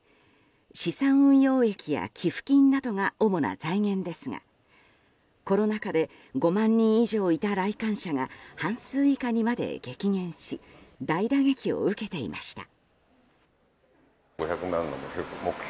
資産運用益や寄付金などが主な財源ですがコロナ禍で５万人以上いた来館者が半数以下にまで激減し大打撃を受けていました。